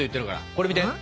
これ見て！